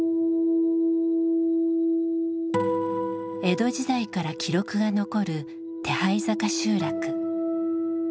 江戸時代から記録が残る手這坂集落。